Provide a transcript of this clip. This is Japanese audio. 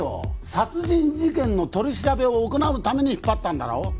殺人事件の取り調べを行うために引っ張ったんだろ？